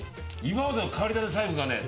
今までの変わり種財布がね